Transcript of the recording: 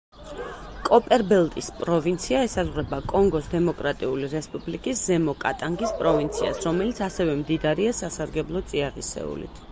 კოპერბელტის პროვინცია ესაზღვრება კონგოს დემოკრატიული რესპუბლიკის ზემო კატანგის პროვინციას, რომელიც ასევე მდიდარია სასარგებლო წიაღისეულით.